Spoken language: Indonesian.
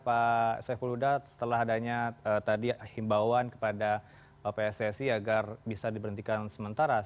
pak saiful huda setelah adanya tadi himbauan kepada pssi agar bisa diberhentikan sementara